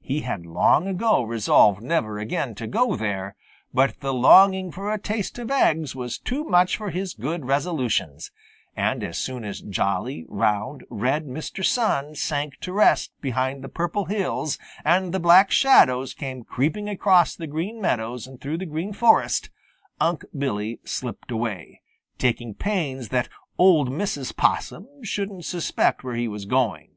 He had long ago resolved never again to go there, but the longing for a taste of eggs was too much for his good resolutions, and as soon as jolly, round, red Mr. Sun sank to rest behind the Purple Hills, and the Black Shadows came creeping across the Green Meadows and through the Green Forest, Unc' Billy slipped away, taking pains that old Mrs. Possum shouldn't suspect where he was going.